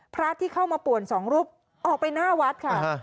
พระที่เข้ามาป่วนสองรูปออกไปหน้าวัดค่ะ